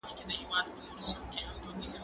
زه اجازه لرم چي سبزیجات تيار کړم